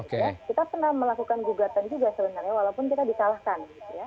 kita pernah melakukan gugatan juga sebenarnya walaupun tidak dikalahkan